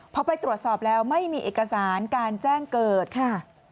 พอไปตรวจสอบแล้วไม่มีเอกสารการแจ้งเกิดค่ะ